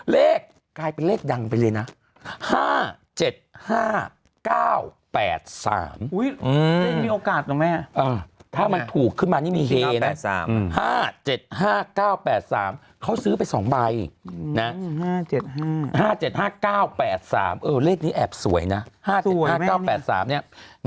เลขกลายเป็นเลขดังไปเลยนะ๕๗๕๙๘๓มีโอกาสเหรอแม่ถ้ามันถูกขึ้นมานี่มีเฮนะ๕๗๕๙๘๓เขาซื้อไป๒ใบนะ๕๗๕๕๗๕๙๘๓เออเลขนี้แอบสวยนะ๕๙๘๓เนี่ย